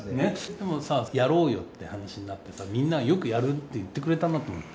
でもさやろうよって話になってさみんなよく「やる」って言ってくれたなと思って。